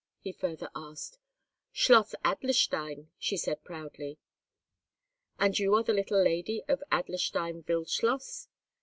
he further asked. "Schloss Adlerstein," she said, proudly. "And you are the little lady of Adlerstein Wildschloss?"